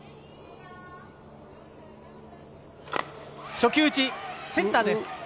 初球打ち、センターです。